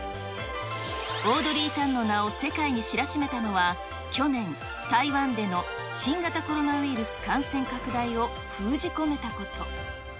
オードリー・タンの名を世界に知らしめたのは去年、台湾での新型コロナウイルス感染拡大を封じ込めたこと。